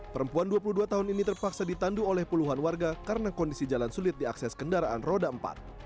perempuan dua puluh dua tahun ini terpaksa ditandu oleh puluhan warga karena kondisi jalan sulit diakses kendaraan roda empat